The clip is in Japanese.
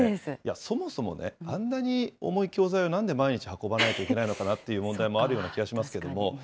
そもそもあんなに重い教材を、なんで毎日運ばないといけないのかなという問題もあるような気もしますけれども。